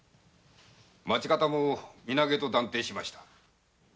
町方も身投げと断定しました。